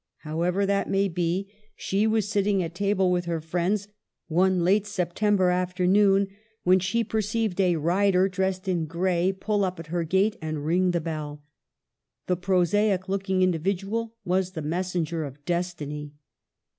However that may be, she was sitting at table with her friends one late September afternoon when she perceived a rider, dressed in grey, pull up at her gate and ring the bell. This prosaic looking individual was^the messenger of destiny.